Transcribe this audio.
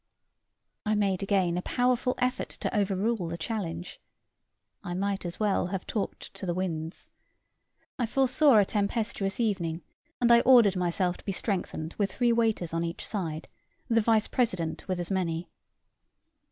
I made again a powerful effort to overrule the challenge. I might as well have talked to the winds. I foresaw a tempestuous evening; and I ordered myself to be strengthened with three waiters on each side; the vice president with as many.